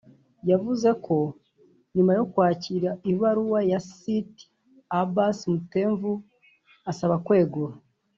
yavuze ko nyuma yo kwakira ibaruwa ya Sitti Abbas Mtemvu asaba kwegura